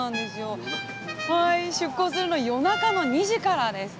出航するのは夜中の２時からです。